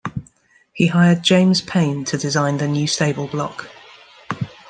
He hired James Paine to design the new stable block.